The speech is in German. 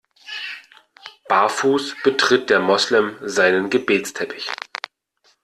Barfuß betritt der Moslem seinen Gebetsteppich.